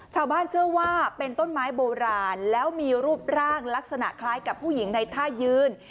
ชาวบ้านเชื่อว่าเป็นต้นไม้โบราณแล้วมีรูปร่างลักษณะคล้ายกับผู้หญิงในท่ายืน